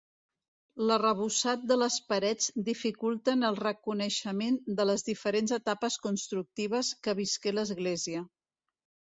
L'arrebossat de les parets dificulten el reconeixement de les diferents etapes constructives que visqué l'església.